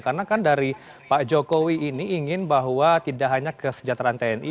karena kan dari pak jokowi ini ingin bahwa tidak hanya kesejahteraan tni